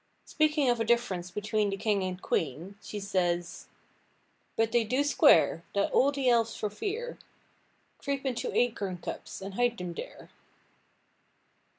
Speaking of a difference between the king and queen, she says:— "But they do square; that all the elves for fear Creep into acorn cups, and hide them there."